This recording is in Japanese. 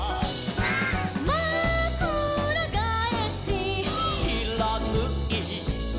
「まくらがえし」「」「しらぬい」「」